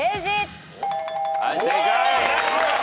はい正解。